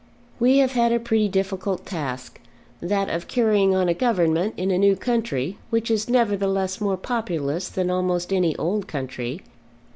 We have had a pretty difficult task, that of carrying on a government in a new country, which is nevertheless more populous than almost any old country.